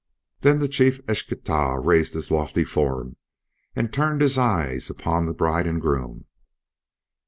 Then the chief Eschtah raised his lofty form, and turned his eyes upon the bride and groom.